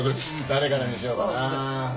誰からにしようかな。